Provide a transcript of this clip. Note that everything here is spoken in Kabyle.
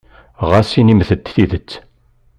Ɣas inimt-d tidet.